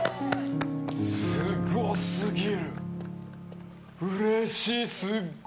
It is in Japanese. すごすぎる。